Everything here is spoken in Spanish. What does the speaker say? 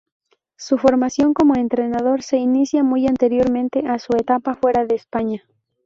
Su formación como entrenador se inicia muy anteriormente a su etapa fuera de España.